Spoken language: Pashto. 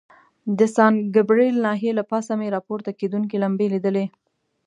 د سان ګبریل ناحیې له پاسه مې را پورته کېدونکي لمبې لیدلې.